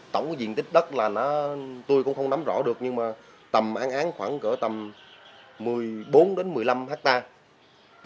tổng cái diện tích đất là nó tôi cũng không nắm rõ được nhưng mà tầm an án khoảng cỡ tầm một mươi bốn đến một mươi năm hectare